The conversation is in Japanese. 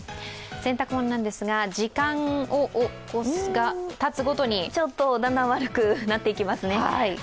洗濯物なんですが、時間がたつごとにだんだん悪くなっていきますね。